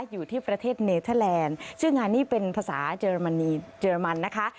อยู่ที่ประเทศเนเทอร์แลนด์ซึ่งงานนี้เป็นภาษาเยอรมนีเยอรมันนะคะ